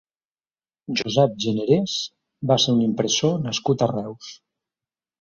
Josep Generès va ser un impressor nascut a Reus.